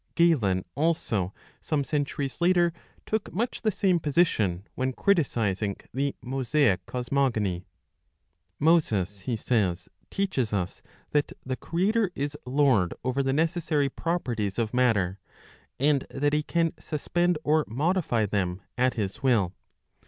"^ Galen, also, some centuries later, took much the same position, when criticising the Mosaic cosmogony.'' Moses, he says, teaches us that the Creator is lord over the necessary properties of matter, and that he can suspend or modify them at his will.